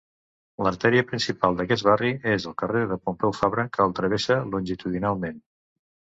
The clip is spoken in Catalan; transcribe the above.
L'artèria principal d'aquest barri és el carrer de Pompeu Fabra que el travessa longitudinalment.